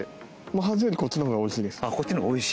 ハゼよりこっちのほうがおいしいです。